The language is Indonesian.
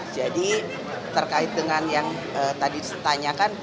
jadi terkait dengan yang tadi ditanyakan